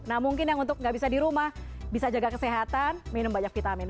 nah mungkin yang untuk nggak bisa di rumah bisa jaga kesehatan minum banyak vitamin